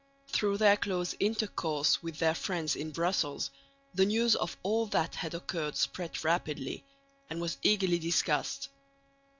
Through their close intercourse with their friends in Brussels the news of all that had occurred spread rapidly, and was eagerly discussed.